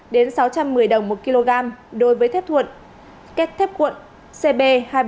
đến sáu trăm một mươi đồng một kg đối với thép thuận kép thép cuộn cb hai trăm bốn mươi